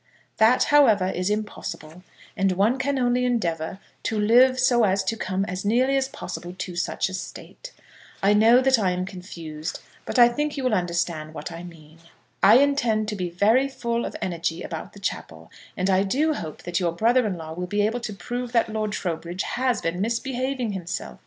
That, however, is impossible, and one can only endeavour to live so as to come as nearly as possible to such a state. I know that I am confused; but I think you will understand what I mean. I intend to be very full of energy about the chapel, and I do hope that your brother in law will be able to prove that Lord Trowbridge has been misbehaving himself.